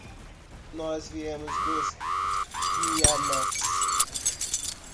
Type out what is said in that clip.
Nós viemos dos Guiamets.